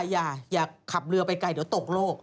อย่าขับเรือไปไกลเดี๋ยวตกโลก